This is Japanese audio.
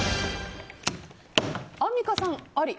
アンミカさん、あり。